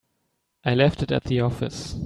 I left it at the office.